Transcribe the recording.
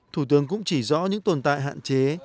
thủ tướng cũng chỉ rõ những tồn tại hạn chế